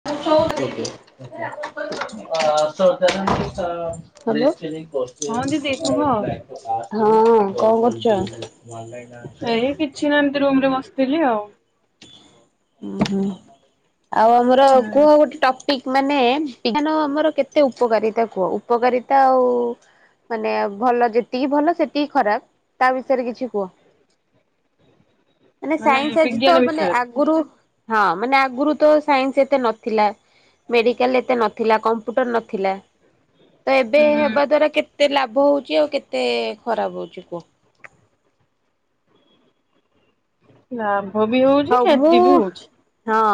[inaudible] [unintelligible] [unintelligible] ହଁ କଣ କରୁଚ? ହଁ ଦିଦି କୁହ ଏଇ କିଛି ନା ଏମିତି ରୁମ ରେ ବସିଥିଲି ଆଉ। ଉଁ ହୁଁ ଆଉ ଆମର ହୁଁ କୁହ ଗୋଟେ ଟପିକ ମାନେ ବିଜ୍ଞାନ ଆମର କେତେ ଉପକାରିତା କୁହ ଉପକାରିତା ଆଉ ମାନେ ଭଲ ଯେତିକି ଭଲ ସେତିକି ଖରାପ ତା ବିଷୟରେ କିଛି କୁହ? ମାନେ ସାଇନ୍ସ ଆଜି ତ ବିଜ୍ଞାନ ମାନେ ବିଷୟରେ ଆଗରୁ ହଁ ମାନେ ଆଗରୁ ତ ସାଇନ୍ସ ଏତେ ନଥିଲା। ମେଡ଼ିକାଲ ଏତେ ନଥିଲା, କମ୍ପ୍ୟୁଟର ନଥିଲା। ଏବେ ହୁଁ। ହେବା ଦ୍ଵାରା କେତେ ଲାଭ ହଉଛି ଆଉ କେତେ ଖରାପ ହଉଛି କୁହ? [inaudible] ହଉ, ମୁଁ କ୍ଷତି ବି ହଉଛି ହଁ,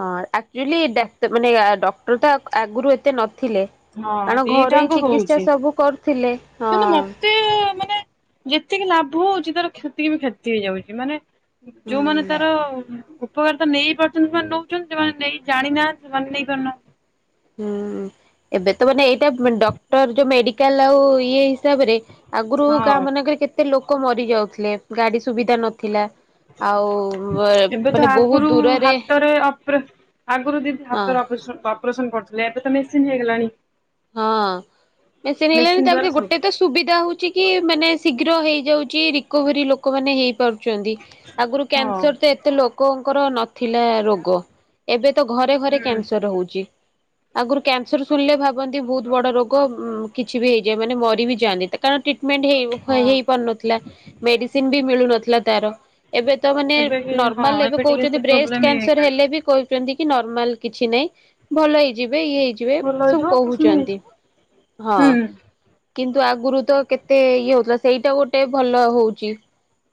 ହଁ ଆକ୍ଚ୍ଯୁଆଲି ଡା ମାନେ ଡକ୍ଟର ତ ଆଗରୁ ଏତେ ନ ଥିଲେ ହଁ କାଣ ଘରୋଇ ଦିଟାଙ୍କ ଚିକିତ୍ସା ହଉଛି। ସବୁ କରୁଥିଲେ ହଁ। ଏଁ ମାନେ ଯେତିକି ଲାଭ ହୋଇଚି ତାର କ୍ଷତିବି ଫ୍ୟାଚି ହେଇଯାଉଛି ମାନେ ଉଁ ଯୋଉମାନେ ହୁଁ ତାର ଉପକାରିତା ନେଇ ପାରୁଚନ୍ ନାଁ ନୋଉଚନ୍ ସେମାନେ ନେଇ ଜାଣିନାହାଁନ୍ତି ସେମାନେ ନେଇପାରୁନାହାନ୍ତି। ହୁଁ ଏବେ ତ ମାନେ ଏଇଟା ମାନ୍ ଡକ୍ଟର ଯୋଉ ମେଡ଼ିକାଲ୍ ଆଉ ଇଏ ତାଆବରେ ଆଗରୁ ଗାଁ ହଁ ମାନଙ୍କରେ କେତେ ଲୋକ ମରି ଯାଉଥିଲେ ଗାଡ଼ି ସୁବିଧା ନଥିଲା। ଆଉ ମାଏ ଏବେ ତ ମାନେ ବହୁତ୍ ଦୂରରେ ଆଗୁରୁ ଦିଦି ହଁ ହାତରେ ଅପରେସନ୍ ଅପରେସନ୍‌ କରୁଥିଲେ ଏବେ ତ ମେସିନ୍ ହେଇଗଲାଣି। ହଁ ମେସିିନ୍ ମେସିନ ହେଲାଣିି ତା ପରେ ଦ୍ଵାରା ସବୁ ଗୋଟେ ତସ୍ ସୁବିଧା ହୋଉଛି କି ମାନେ ଶୀଘ୍ର ହେଇଯାଉଛି ରିକଭରି ଲୋକମାନେ ହେଇ କରୁଚନ୍ତି ଆଗରୁ ହଁ କ୍ୟାନ୍ସର୍ ତେ ଏତେ ଲୋକଙ୍କର ନଥିଲା ରୋଗ। ଏବେ ତ ଘରେ ଘରେ ହୁଁ କ୍ୟାନ୍ସର ହୋଉଚି ଆଗରୁ କ୍ୟାନ୍ସର ଶୁଣିଲେ ଭାବ୍ କୁହନ୍ତି ଭୋହୁତ ବଡ଼ ରୋଗ ଉଁ କିଛି ବି ହେଇଯାଏ ମାନେ ମରିବି ଯାଆନ୍ତି ତା କାରଣ ଟ୍ରିଟମେଣ୍ଟ ହେଇବୁ ହୋଏ ହଁ ହେଇପାରୁନଥିଲା ମେଡ଼ିସିନ୍ବବି ମିଳୁନଥିଲା ତାର। ଏବେ ତ ମାନେ ଏବେ କି ହଁ ନର୍ମାଲେ ଏବେ ଟିକେ ସେ କହୁଛନ୍ତି ବ୍ରେଷ୍ଟ ପ୍ରୋବ୍ଲେମ ଇଏ କ୍ୟାନସର୍ ହେଇଗଲାଣି। ହେଲେବି କୋଉ କେମ୍ଦିକି ନରମାଲ କିଛି ନାଇ ଭଲ ହେଇଯିବେ ଇଏ ହେଇଯିବେ ଭଲ ସୁବୁ ହେଇଯିବ ଅପରେସନ ହେଇଯିବ। କହୁଚନ୍ତି ହଁ। ହୁଁ କିନ୍ତୁ ଆଗୁରୁ ତ କେତେ ଇଏ ହଉଥିଲା ସେଇଟା ଗୋଟେ ଭଲ ହଉଚି।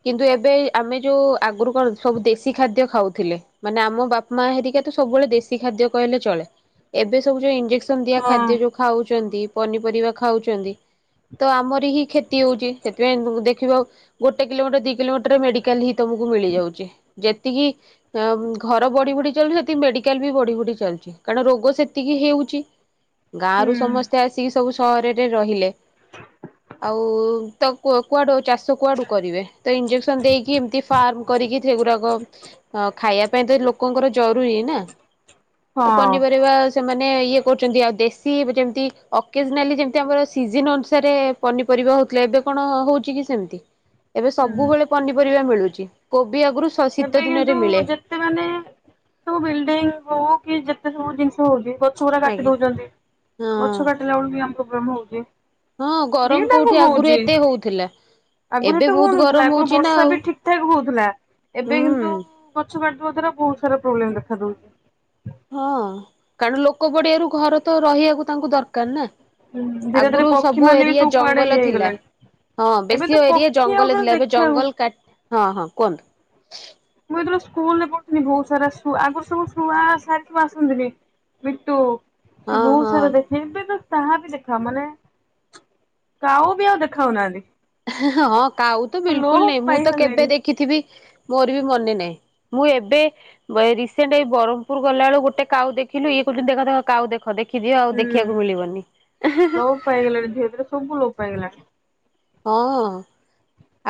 କିନ୍ତୁ ଏବେ ଆମେ ଯୋଉ ଆଗୁରୁ କଣ ସବୁ ଦେଶୀ ଖାଦ୍ୟ ଖାଉଥିଲେ। ମାନେ ଆମ ବାପ୍ ମା ହେରିକାତ ସବୁବେଳେ ଦେଶୀ ଖାଦ୍ୟ କହିଲେ ଚଳେ ଏବେସବୁ ଯେଉ ଇ ଇଜେକ୍ସନ୍ ଦିଆ ହଁ ଖାଦ୍ୟଯୋଉ ଖାଉଚନ୍ତି ପନିପରିବା ଖାଉଚନ୍ତି ତ ଆମର କି କି କ୍ଷତି ହଉଚି ସେଥିପାଇଁ [unintelligible] ଦେଖିବ ଗୋଟେ କିଲୋମିଟର ଦି କିଲୋମିଟର ମେଡ଼ିକାଲ ହିଁ ତମକୁ ମିଳିଯାଉଚି ଯେତିକି ୟାମ୍ ଘର ବଢ଼ି ବଢ଼ି ଚାଲୁଚି ସେତିକି ମେଡ଼ିକାଲ୍ ବି ବଢ଼ି ବଢ଼ି ଚାଲୁଛି କାରଣ ରୋଗ ସେତିକି ହେଉଛି। ଗାଁରୁ ହୁଁ ସମସ୍ତେ ଆସିକି ସବୁ ସହରରେ ରହିଲେ। ଆଉ ତ କୁଅ କୁଆଡ଼ୁ ଆଉ ଚାଷ୍ ସେ କୁଆଡ଼ୁ କରିବେ ତେ ଇଞ୍ଜେକ୍ସନ୍ ଦେଇକି ଏମ୍ତି ଫାର୍ମ କରିକି ସେଗୁରାକ ହଁ ଖାଇବା ପାଇଁତ ଲୋକଙ୍କର ଜରୁରୀ ନା ତ ହଁ ପନିପରିବା ତେମାନେ ଇଏ କରୁଚନ୍ତି ଆଉ ଦେଶ୍ ସିବ୍ ଯେମ୍ତି ଅକେଜ୍ନାଲି ଯେମ୍ତି ଆମର ସିଜିନ୍ ଅନୁସାରେ ପନିପରିବା ହଉଥିଲା। ଏବେ କଣ ହଉଚିକି ସେମ୍ତି? ଏବେ ହୁଁ ସବୁବେଳେ ପନିପରିବା ମିଳୁଚୀ କୋବି ଆଗୁରୁ ଏବେ କିନ୍ତୁ ଯେତ୍ ସେମାନେ [inaudible] ସବୁ ବିଲ୍ଡିଙ୍ଗ୍ ହଉ କି ଯେତେ ସବୁ ଜିନିଷ ହଉଚି ଗୋ ପୁରା କାଟି ଆଜ୍ଞା ଦଉଚନ୍ତି। ହଁ ଗଛ କାଟିଲା ବେଳୁ ବି ଆମ [unintelligible] ପ୍ରମ ହଉଛି ହଁ ଗରମ୍ କୋଉଠି ଆଗୁରୁ ଏତେ ହୋଉଥିଲା। ଆଗୁରୁ ଏତେ ହଉନଥିଲା। ଆଗରୁ ଆଉ ବର୍ଷାବି ଠିକ୍ ଠାକ୍ ହଉଥିଲା। ଏବେ କିନ୍ତୁଉ ହୁଁ ଗଛ କାଟିବା ଦ୍ଵାରା ବହୁତ୍ ସାରା ପ୍ରୋବ୍ଲେମ୍ ଦେଖା ଦଉଚି। ହଁ କାରଣ ଲୋକ ପଡ଼ିଆରୁ ଘରତ ରହିୟାକୁ ତାଙ୍କୁ ଦରକାର ନା? ଦଉଛି ଧୀରେ ଧୀରେ ଆଗୁରୁ ପକ୍ଷୀ ସବୁ ମାନେ ବି ଏରିଆ ସବୁ କୁଆଡେ ଜଙ୍ଗଲ ଇଏ ଥିଲା। ହେଇଗଲାଣି। ହଁ ଏବେ ତ ବେଶୀ ଏରିଆ ପକ୍ଷୀ ଆଉ ଜଙ୍ଗଲ ଟୋଟାଲି ଥିଲା। ଏବେ ଦେଖିବାକୁ ଜଙ୍ଗଲ କାଟ୍, ହଁ ହଁ କୁହନ୍ତୁ। ମୁଁ ଏତେବେଳେ ସ୍କୁଲରେ ପଢ଼ୁଥିଲି ଭୋଉତ୍ ସାରା ଶୁଆ ଆଗୁରୁ ସବୁ ଶୁଆ ସାରି ସବୁ ଆସନ୍ତିନି। ମିଟୁ ସବ୍ ହଁ ବହୁ ହଁ ସାରା ଦେଖ୍ ହେବେ ତ ତାହାବି ଦେଖ ମାନେ [inaudible] କାଉବି ଆଉ ଦେଖାହଉନାହାନ୍ତି। ହେଁହଁ ହଁ କାଉ ତ ବିଲ୍କୁଲ୍ ଲୋପ ନାଇଁ। ମୁଁ ତ ପାଇଗଲେଣି କେବେ ଦେଖିଥିବି ମୋରବି ମନେ ନାଇଁ। ମୁଁ ଏବେ ବଏ ରିସେଣ୍ଟ ଏଇ ବରମ୍ପୁର୍ ଗଲାବେଳୋ ଗୋଟେ କାଉ ଦେଖିଲୀ ଇଏ କହୁଛନ୍ତି ଦେଖ ଦେଖ କାଉ ଦେଖ ଦେଖ୍ ଦେଖିଦିଅ ଆଉ ହୁଁ। ଦେଖିବାକୁ ମିଳିବନି ହେହେହେ। ଲୋପ ପାଇଗଲାଣି ଧିରେ ଧରେ ସବୁ ଲୋପ ପାଇଗଲାଣି। ହଁ।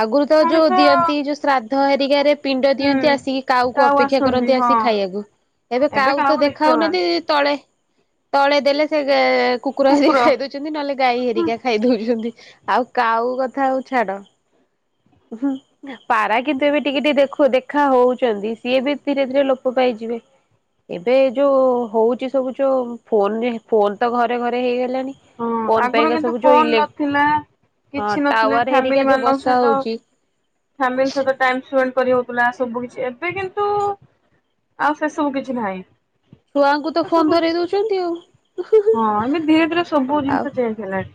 ଆଗରୁ ତ ଯୋଉ ମଣିଷ ଦିଅନ୍ତି ଯୋଉ ଶ୍ରାଦ୍ଧ ହରିକାରେ ପିଣ୍ଡ ହୁଁ। ଦିଅନ୍ତି ଆସିକି କାଉକୁ କାଉ ଅପେକ୍ଷା ଆସନ୍ତି କରନ୍ତି ହଁ ଆସିିକି ଖାଇବାକୁ ଏବେ କାଉତ କାହାକୁ ଦେଖି ଦେଖା ହବନି ହଉନାହାନ୍ତି ତଳେ ତଳେ ଦେଲେ ସେ କୁକୁର ଆସିକି ଖାଇଦଉଛନ୍ତି ନହେଲେ ଗାଈ ହେରିକା ଖାଇ ଦଉଛନ୍ତି ଆଉ କାଉ କଥା ହୋଉ ଛାଡ। ହୁଁ। ପାରା କିନ୍ତୁ ଏବେ ଟିକେ ଟିକେ ଦେଖ ଦେଖା ହଉଛନ୍ତି ସିଏବି ଧୀରେ ଧୀରେ ଲୋପ ପାଇଯିବେ। ଏବେ ଯୋଉ ହଉଚି ସବୁ ଯୋଉ ଫୋନରେ ଫୋନତ ଘରେ ଘରେ ହେଇଗଲାଣି। ହଁ ଫୋନ ଆଗରୁ ପାଇଁକା କିନ୍ତୁ ସବୁ ଯୋଉ ଫୋନ ଇଲେ ନଥିଲା। କିଛି ନଥିଲା ଟାୱାର ହେରିକା ଫ୍ୟାମିଲି ଯୋଉ ମାନଙ୍କ ବସା ସହିତ ହଉଛି। ଫାମିଲି ସହିତ ଟାଇମସ୍ପେଣ୍ଡ କରି ହଉଥିଲା ସବୁ କିଛି ଏବେ କିନ୍ତୁ ଆଉ ସେ ସବୁ କିଛି ନାହିଁ। ଛୁଆଙ୍କୁତ ଫୋନ ସବୁ ଧରେଇ ଜିନିଷ ଦଉଛନ୍ତି ଆଉ ହୁଁ ହୁଁ ହଁ ଏବେ ଧୀରେ ହୁଁ। ଧୀରେ ସବୁ ଜିନିଷ ଚେଞ୍ଜ ହେଲାଣି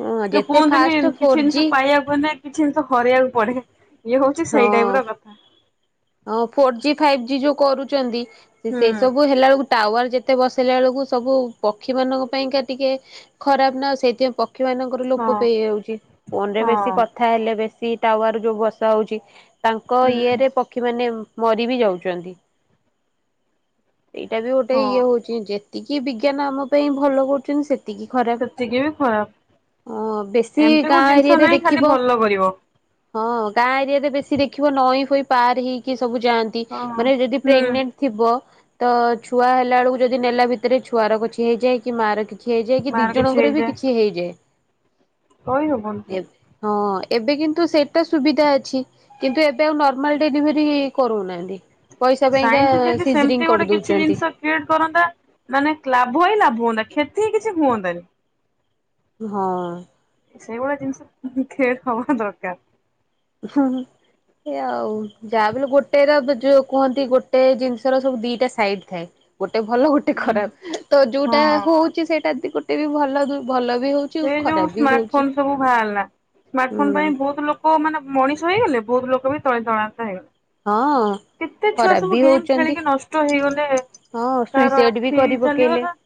ହଁ ଯଉ ଯେତେ କୁହନ୍ତିନି ଫାଷ୍ଟ କିଛି ଫୋର ଜି ଜିନିଷ ପାଇବାକୁନି ହେନେ କିଛି ଜମିଷ ହରେଇବାକୁ ପଡେ ଇଏ ହଉଛି ହଁ ସେଇ ଟାଇପ ର କଥା। ହଁ ଫୋର ଜି ଫାଇଭ୍ ଜି ଯୋଉ କରୁଛନ୍ତି ହୁଁ ସେଇ ସବୁ ହେଲା ବେଳକୁ ଟାୱାର ଯେତେ ବସେଇଲା ବେଳକୁ ସବୁ ପକ୍ଷୀ ମାନଙ୍କ ପାଇଁକା ଟିକେ ଖରାପ ନା ଆଉ ସେଇଥିପାଇଁ ପକ୍ଷୀ ମାନଙ୍କର ହଁ ଲୋପ ପାଇଯାଉଛି ଫୋନ ରେ ବେଶୀ ହଁ କଥା ହେଲେ ବେଶି ଟାୱାର ଯୋଉ ବସା ହଉଛି ତାଙ୍କ ହୁଁ ଇଏରେ ପ ପକ୍ଷୀ ମାନେ ମରି ବି ଯାଉଛନ୍ତି ସେଇଟା ବି ଗୋଟେ ହଁ ଇଏ ହଉଛି। ଯେତିକି ବିଜ୍ଞାନ ଆମ ପାଇଁ ଭଲ କରୁଛନ୍ତି ସେ ସେତିକି ସେତିକି ବି ଖରାପ ଓ ବେଶୀ ଏମିତି କୋଉ ଗାଁ ଜିନିଷ ଏରିଆରେ ନାହିଁ ଖାଲି ଦେଖିବ ଭଲ କରିବ। ହଁ ଗାଁ ଏରିଆରେ ବେଶୀ ଦେଖିବ ନଈ ଫଇ ପାର ହେଇକି ସବୁ ଯାଆନ୍ତି। ହଁ ମାନେ ଯଦି ହୁଁ ପ୍ରେଗନେଣ୍ଟ ଥିବ ତ ଛୁଆ ହେଲା ବେଳକୁ ଯଦି ନେଲା ଭିତରେ ଛୁଆର କିଛି ହେଇଯାଏ କି ମାଆର କି କିଛି ହେଇଯାଏ କି ବାହାର କିଛି ଦିଜଣଙ୍କର ବି ହେଇଯାଏ କିଛି ହେଇଯାଏ। କହି ହବ ନି। ଏବ୍ ହଁ ଏବେ କିନ୍ତୁ ସେଇଟା ସୁବିଧା ଅଛି କିନ୍ତୁ ଏବେ ଆଉ ନ ନର୍ମାଲ୍ ଡେଲିଭରି କରୁନାହାନ୍ତି ପଇସା ପାଇଁକା ସାଇନ୍ସ ଯଦି ସେମିତି ସିଜରିଂ ଗୋଟେ କିଛି କରିଦେଉଛନ୍ତି। ଜିନିଷ କରନ୍ତା ମାନେ ଲାଭ ହିଁ ଲାଭ ହୁଅନ୍ତା କ୍ଷତି ହିଁ କିଛି ହୁଅନ୍ତାନି। ହଁ। ସେଇଭଳିଆ ଜିନିଷ ଖଡ ହବା ଦରକାର। ହୁଁ ହୁଁ ସେଇଆ ଆଉ। ଯାହା ବି ହେଲେ ଗୋଟେ ର ଯୋଉ କୁହନ୍ତି ଗୋଟେ ଜିନିଷ ର ସବୁ ଦିଟା ସାଇଡ ଥାଏ ଗୋଟେ ଭଲ ଗୋଟେ ଗୋଟେ ହୁଁ। ଖରାପ ତ ଯୋଉଟା ହଁ ହଉଛି ସେଇଟାଦି ଗୋଟେ ବି ଭଲ ଭଲ ବି ହଉଛି। ଏ ଯୋଉ ଖରାପ ବି ସ୍ମାର୍ଟ ହଉଛି ଫୋନ ସବୁ ବାହାରିଲା ସ୍ମାର୍ଟ ଫୋନ ପାଇଁ ହୁଁ ବହୁତ ଲୋକ ଲୋକ ମାନେ ମଣିଷ ହେଇଗଲେ ବହୁତ ଲୋକ ବି ତଳି ତଳାନ୍ତ ହେଇଗଲେ। ହଁ। କେତେ ଛୁଆ ଖରାପ ସବୁ ବି ଗେମ୍ ହଉଛନ୍ତି ଖେଳିକି ନଷ୍ଟ ହେଇଗଲେ। ହଁ। କାହାର ସୁଇସାଇଡ ବି ଆଖି କରି ପକେଇଲେ। ଚାଲିଗଲା।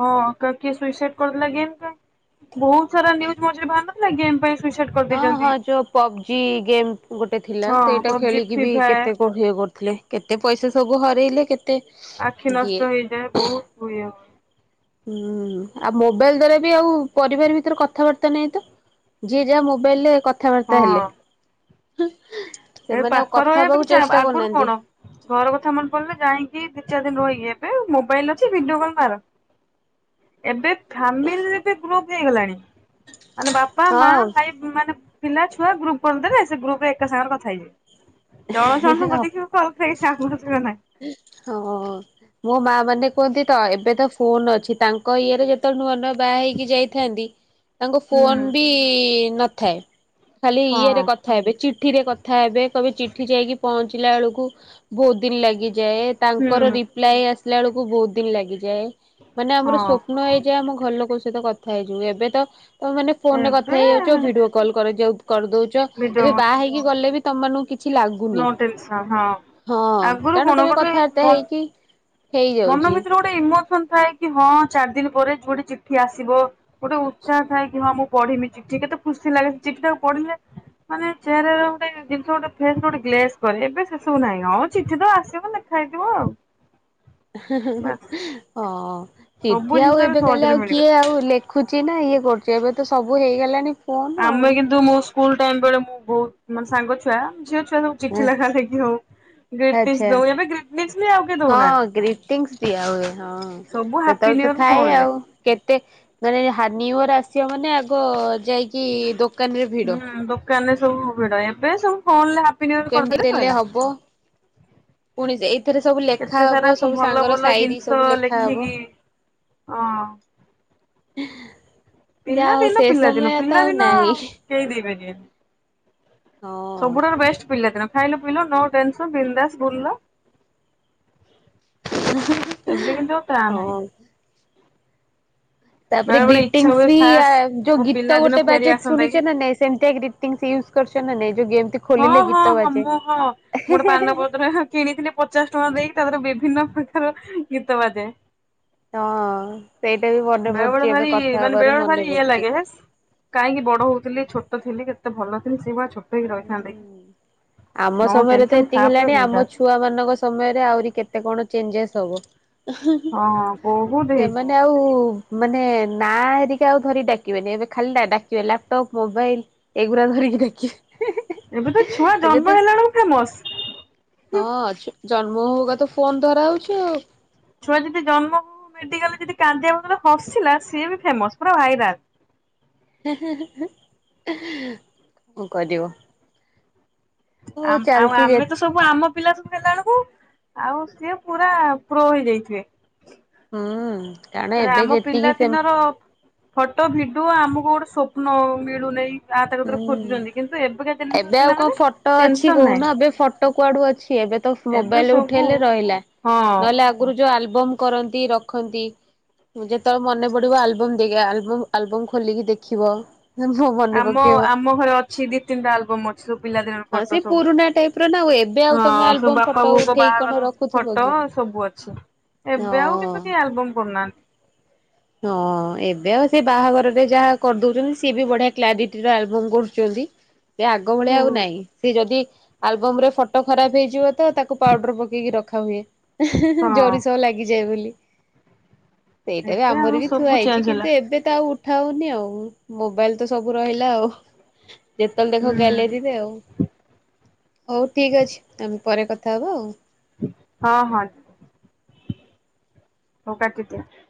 ହଁ କିଏ ସୁଇସାଇଡ କରିଦେଲା ଗେମ୍ ପାଇଁ ବହୁତ ସାରା ନିୁଜ ମଝିରେ ବାହାରି ନଥିଲା ଗେମ ପାଇଁ ସୁଇସାଇଡ ହଁ ହଁ କରିଦେଇଛନ୍ତି। ଯୋଉ ପବଜି ଗେମ୍ ଗୋଟେ ଥିଲା ହଁ ସେଇଟା ପବଜି ଖେଳିକି ଫ୍ରି ବି ଫାୟାର କେତେ ବହେ କରୁଥିଲେ କେତେ ପଇସା ସବୁ ହରାଇଲେ କେତେ ଆଖି ଯିଏ ନଷ୍ଟ ହେଇଯାଏ ବହୁତ ହୁଏ ହଏ ହୁଁ ଆଉ ମୋବାଇଲ ଦ୍ଵାରା ବି ଆଉ ପରିବାର ଭିତରେ କଥାବାର୍ତ୍ତା ନାହିଁ ତ? ଯିଏ ଯାହା ମୋବାଇଲ ରେ କଥାବାର୍ତ୍ତା ହଁ ହେଲେ। ଏ ସେମାନେ ଆଉ ପାଖ କଥା ରହିବା ତ ହବାକୁ କିଛି ଚେଷ୍ଟା ଆଗରୁ କରୁନାହାନ୍ତି କଣ? ଘର କଥା ମନେ ପଡ଼ଲେ ଯାଇକି ଦି ଚାରି ଦିନ ରହିକି ଏବେ ମୋବାଇଲ ଅଛି ଭିଡିଓ କଲ୍ ମାର ଏବେ ଫାମିଲି ଯେତେ ଗ୍ରୁପ ହେଇଗଲାଣି ମାନେ ବାପା ମା ହଁ ଭାଇ ମାନେ ପିଲା ଛୁଆ ଗ୍ରୁପ କରି ଦେଲେ ସେ ଗ୍ରୁପ ରେ ଏକା ସାଙ୍ଗରେ କଥା ହେଇଯାଏ ଜଣ ଜଣ କରି କି ଆଉ। [unintelligible] ହଁ ମୋ ମା ମାନେ କୁହନ୍ତି ତ ଏବେ ତ ଫୋନ୍ ଅଛି ତାଙ୍କ ଇଏରେ ଯେ ତ ନୂଆ ନୂଆ ବାହା ହେଇକି ଯାଇଥାନ୍ତି ତାଙ୍କ ହୁଁ ଫୋନ ବି ନଥାଏ। ଖାଲି ହଁ ଇଏରେ କ କଥା ହେବେ ଚିଠି ରେ କଥା ହେବେ କହିବେ ଚିଠି ଯାଇକି ପହଞ୍ଚିଲା ବେଳକୁ ବହୁତ ଦିନ ଲାଗିଯାଏ। ହୁଁ ତାଙ୍କର ରିପ୍ଲାଏ ଆସିଲା ବେଳକୁ ବହୁତ ଦିନ ଲାଗିଯାଏ ମାନେ ଆମର ହଁ ସ୍ୱପ୍ନ ହେଇ ଯେ ଆମ ଘର ଲୋକ ସହିତ କଥା ହେଇଯିବ ଏବେ ତ ମାନେ ଫୋନ ରେ କଥା ଏବେ ହେଇଯାଉଛ ଭିଡିଓ କଲ କରିଯାଉତ କରିଦଉଛ ଭିଡିଓ ଏବେ ବାହା ହେଇକି ଗଲେ ବି ତମମାନଙ୍କୁ କି କିଛି ଲାଗୁନି ନ ଟେନସନ ହଁ ହଁ ଆଗରୁ କାରଣ କଣ ତମେ ଗୋଟେ କଥାବାର୍ତା ମନ ହେଇକି ମନ ହେଇଯାଉଛି ଭିତରେ ଗୋଟେ ଇମୋସନ ଥାଏ କି ହଁ ଚାରି ଦିନ ପରେ ଯୋଡି ଚିଠି ଆସିବ ଗୋଟେ ଉତ୍ସାହ ଥାଏ କି ହଁ ମୁଁ ପଢିମି ଚିଠି କେତେ ଖୁସି ଲାଗେ ସେ ଚିଠି ତାକୁ ପଢିଲେ ମାନେ ଚେୟାର ର ଗୋଟେ ଜିନିଷ ଗୋଟେ ଫେସ ର ଗୋଟେ ଗ୍ଲେସ କରେ ଏବେ ସେସବୁ ନାହିଁ ହଉ ଚିଠି ତ ଆସିବ ଲେ ଖାଇଯିବ ଆଉ। ହଁ ବାସ୍। ସବୁ ଚିଠି ଆଉ ଜିନିଷ ଏବେ କାଲି ସହଜରେ ଆଉ କିଏ ମିଳିଗଲା। ଆଉ ଲେ ଖୁଚି ନା ଇଏ କରୁଛିୁ ଏବେ ତ ସବୁ ହେଇଗଲାଣି। ଫୋନ ଆମେ ଆଉ। କିନ୍ତୁ ମୋ ସ୍କୁଲ ଟାଇମ ବେଳେ ମୁଁ ବହୁତ ମାନେ ସାଙ୍ଗ ଛୁଆ ଝିଅ ଛୁଆ ସବୁ ଚିଠି ଲେଖା ଲେଖି ହଉ। ଗ୍ରୀଟିସ ଆଛା ଦଉ ଏବେ ଗ୍ରୀଟିସ ବି ଆଉ କିଏ ହଁ ଦଉନାହାନ୍ତି ଗ୍ରିଟିଙ୍ଗସ ଦିଆ ହୁଏ ହଁ। ସବୁ ହାପି ସେତେବେଳେ ତ ନିୟର ଥାଏ ଫୋନରେ। ଆଉ କେତେ ମାନେ ହାନି ଓନ୍ୟୁୟର୍ ଆସିବ ମାନେ ଆଗ ଯାଇକି ଦୋକାନ ରେ ଭିଡ। ହୁଁ ଦୋକାନରେ ସବୁ ଭିଡ଼ ଏବେ ସବୁ ଫୋନରେ ହାପିନ୍ୟୁୟର୍ କେମିତି କରିଦେଲେ ଦେଲେ ସଇଲା। ହବ ପୁଣି ଏଇଥିରେ ସବୁ ଲେଖା ଏତେ ସାରା ହବ ସବୁ ଭଲ ସାଙ୍ଗର ଭଲ ସାଇରି ଜିନିଷ ସବୁ ଲେଖା ହବ ଲେଖିକି ଅଁ। [inaudible] ପିଲା ଯାହା ହଉ ଦିନ ସେ ପିଲାଦିନ ସମୟ ତ ପିଲା ଆଉ ଦିନ ନାହିଁ କେହି ଦେଇ ପାରିବେନି। ହଁ। ସବୁଠାରୁ ବେଷ୍ଟ ପିଲା ଦିନ ଖାଇଲ ପିଇଲ ନୋ ଟେନସନ ବିନ୍ଦାସ୍‌ ବୁଲ। ଏବେ କିନ୍ତୁ ଆଉ ପ୍ରାନାହିଁ। ହଁ। ତାପରେ ବେଳେ ବେଳେ ଇଚ୍ଛା ଗ୍ରୀଟିଙ୍ଗସି ହୁଏ ବି ଆ ଖାସ୍ ଯୋଉ ମୋ ଗୀତ ପିଲାଦିନ ଗୋଟେ ଫେରି ବାଜେ ଆସନ୍ତା କି ଶୁଣିଛେ ନା ନାଇଁ ସେମିତିଆ ଗ୍ରୀ ଗ୍ରୀଟିଂଶ ୟୁଜ କରଛ ନା ନାଇ ଯୋଉ ଗେମ୍ତି ହଁ ହଁ ହଁ ମୁଁ ହଁ ମୁଁ ଗୋଟେ ପାନପତ୍ର ହ୍ନା କିଣିଥିଲି ପଚାଶ ଟଙ୍କା ଦେଇକି ତାତେର ବିଭିନ୍ନ ପ୍ରକାର ଗୀତ ବାଜେ। ହଁ ସେଇଟା ବି ମନେ [unintelligible] ବେଳେ ପଡୁଛି ବେଳେ ଏବେ ଭାରି କଥା ମାନେ ହବାରୁ ବେଳେ ମନେ ଭାରି ଇଏ ପଡୁଛି। ଲାଗେ ହେସ୍ କାହିଁକି ବଡ ହଉଥିଲି ଛୋଟ ଥିଲି କେତେ ଭଲ ଥିଲି ସେଭଳିଆ ଛୋଟହେଇକି ଥାନ୍ତେ କି ହୁଁ। ଆମ ନୋ ସମୟରେ ତ ଟେନସନ ଏତିକି ଖାଅ ପିଅ ହେଲାଣି ଆମ ବିନ୍ଦାସ। ଛୁଆ ମାନଙ୍କ ସମୟରେ ଆହୁରି କେତେ କଣ ଚେଞ୍ଜେସ୍ ହବ ହଁ ହଁ ବହୁତ ସେମାନେ ହେଇଯିବ। ଆଉ ମାନେ ନା ହେରିକା ଆଉ ଧରି ଡାକିବେନି ଏବେ ଖାଲି ଡ଼ାକିବେ ଲାପଟପ୍, ମୋବାଇଲ ଏଗୁରା ଧରିକି ଡାକିବେ। ଏବେ ତ ଛୁଆ ଏବେ ତ ଜନ୍ମ ହେଲାବେଳକୁ ଫେମସ ହଁ ଜନ୍ମ ହୋଉହୋଉ କା ତ ଫୋନ ଧରା ହଉଛି ଆଉ। ଛୁଆ ଯଦି ଜନ୍ମ ହୋଉ ହୋଉ ମେଡିକାଲରେ ଯଦି କାନ୍ଦିବା ବଦଳରେ ହସିଲା ସିଏ ବି ଫେମସ ପୁରା ଭାଇରାଲ। ହେଁ ହେଁ କଣ କରିବ। ହଉ ଆମ୍ ଆଉ ଚାଲିଛି ଯେ ଆମେ ତ ସବୁ ଆମ ପିଲା ସବୁ ହେଲା ବେଳକୁ ଆଉ ସିଏ ପୁରା ପ୍ରୋ ହେଇଯାଇଥିବେ। ହୁଁ। କାରଣ ମାନେ ଏବେ ଆମ ଯେତିକି ସେ ପିଲାଦିନର ଫଟୋ, ଭିଡିଓ ଆମକୁ ଗୋଟେ ସ୍ୱପ୍ନ ମିଳୁନେଇ। ଆ ତାଙ୍କ ଦରେ ହୁଁ। ଖୋଜୁଛନ୍ତି କିନ୍ତୁ ଏବେକା ଜେନେରେସନ ଏବେ ପିଲାମାନେ ଟେନସନ ନାହିଁ। ଫଟ କୁଆଡୁ ଅଛି ଏବେ ତ ଏବେ ମୋବାଇଲ ସବୁ ଉଠେଇଲେ ରହିଲା। ହଁ। ନହେଲେ ଆଗରୁ ଯୋଉ ଆଲବମ୍ କରନ୍ତି ରଖନ୍ତି। ଯେତେବେଳେ ମନେ ପଡିବ ଆଲବମ ଦେଇକି ଆଲବମ ଆଲବମ ଖୋଲିକି ଦେଖିବ ମୋ ମନେ ଆମ ପକେ ଆମ ଘରେ ଅଛି ଦି ତିନିଟା ଆଲବମ୍ ଅଛି ସବୁ ପିଲାଦିନର ହଁ ସେ ଫଟୋ ସବୁ ପୁରୁଣା ଟାଇପ ର ନା ଆଉ ଏବେ ଆଉ ହଁ ତମେ ସବୁ ଆଲବମ ବାପା ପା ଫଟୋ ବୋଉ ଙ୍କ ଉଠେଇକି କଣ ବାହାଘର ରଖୁଥିବ ଫଟୋ କି? ସବୁ ଅଛି, ଏବେ ଆଉ ହଁ କିନ୍ତୁ କେହି ଆଲବମ କରୁନାହାନ୍ତି। ହଁ ଏବେ ଆଉ ସେ ବାହାଘରରେ ଯାହା କରିଦଉଛନ୍ତି, ସିଏ ବି ବଢିଆ କ୍ଲାରିଟିର ଆଲବମ କରୁଛନ୍ତି। ସେ ଆଗ ଭଳିଆ ଆଉ ହଁ ନାଇଁ ସେ ଯଦି ଆଲବମ ରେ ଫଟୋ ଖରାପ ହେଇଯିବ ତ ତାକୁ ପାଉଡର ପକେଇକି ରଖା ହୁଏ। ହେଁ ହେଁ ଜରି ସହ ଲାଗିଯାଏ ବୋଲି ସେଇଟା ବି ଏବେ ଆଉ ଆମର ବି ସବୁ ଥୁଆ ଚେଞ୍ଜ ହେଇଛି ହେଲା କିନ୍ତୁ ଏ ଏବେ ତ ଆଉ ଉଠା ହଉନି ଆଉ ମୋବାଇଲ ତ ସବୁ ରହିଲା ଆଉ। ଯେତେବେଳେ ଦେଖ ହୁଁ ଗ୍ୟାଲେରୀରେ ଆଉ। ହଉ ଠିକ୍ ଅଛି, ଆମେ ପରେ କଥା ହବା ଆଉ। ହଁ ହଁ। ହଉ କାଟିଦିଅ।